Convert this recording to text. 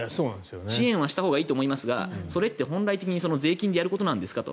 支援はしたほうがいいと思いますがそれって本来的に税金でやることなんですか？と。